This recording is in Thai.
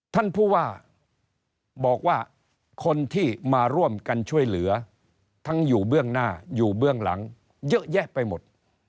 ท่านผู้ว่าบอกว่าคนที่มาร่วมกันช่วยเหลือทั้งอยู่เบื้องหน้าอยู่เบื้องหลังเยอะแยะไปหมด